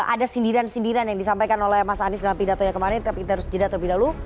ada sindiran sindiran yang disampaikan oleh mas anies dalam pidatonya kemarin tapi kita harus jeda terlebih dahulu